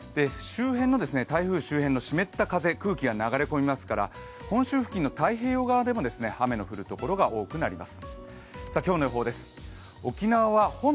台風周辺の湿った風空気が流れ込みますから本州付近の太平洋側でも雨の降るところが多くなります。